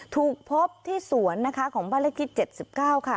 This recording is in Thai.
ถูกพบที่สวนนะคะของบ้านละกิจเจ็ดสิบเก้าค่ะ